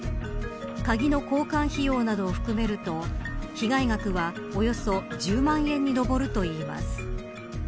鍵の交換費用などを含めると被害額はおよそ１０万円に上るといいます。